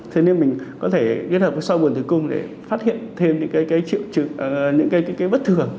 thế nên mình có thể kết hợp với sau buồn tử cung để phát hiện thêm những cái bất thường